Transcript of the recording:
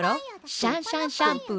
シャンシャンシャンプー。